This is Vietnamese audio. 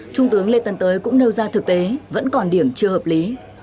trung tướng lê tân tới cũng nêu ra thực tế vẫn còn điểm chưa hợp lý